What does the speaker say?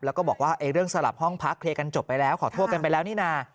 แล้วก็บอกว่าเรื่องสลับห้องพักเคลียร์กันจบไปแล้วขอโทษกันไปแล้วนี่นะ